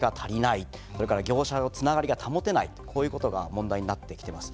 それから業者のつながりが保てないこういうことが問題になってきてます。